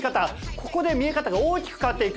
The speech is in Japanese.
ここで見え方が大きく変わっていく。